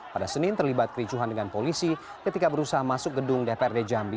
pada senin terlibat kericuhan dengan polisi ketika berusaha masuk gedung dprd jambi